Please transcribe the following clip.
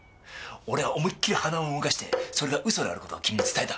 俺は思いっきり鼻を動かしてそれが嘘である事を君に伝えた。